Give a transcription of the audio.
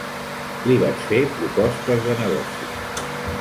Li vaig fer propostes de negoci.